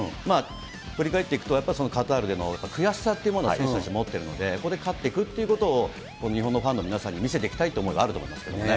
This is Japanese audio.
振り返っていくと、やっぱりカタールでの悔しさっていうものを選手は持ってるので、ここで勝っていくということを、日本のファンの皆さんに見せていきたいっていう思いがあると思いますけどね。